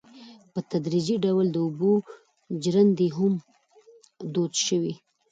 په تدریجي ډول د اوبو ژرندې هم دود شوې.